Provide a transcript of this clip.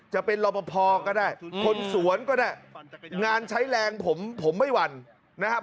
จะเป็นรอบพอก็ได้คนสวนก็ได้งานใช้แรงผมผมไม่หวั่นนะครับ